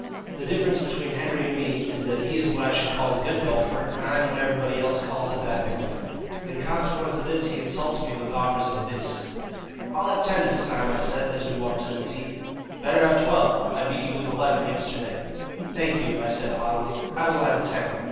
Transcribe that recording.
The difference between Henry and me is that he is what I should call a good golfer, and I am what everybody else calls a bad golfer. In consequence of this he insults me with offers of bisques. "I'll have ten this time," I said, as we walked to the tee. "Better have twelve. I beat you with eleven yesterday." "Thank you," I said haughtily, "I will have ten."